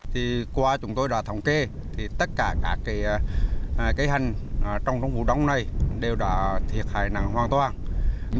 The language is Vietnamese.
thì qua chúng tôi đã thống kê thì tất cả cả cây hành trong trong vụ đóng này đều đã thiệt hại nắng hoàn toàn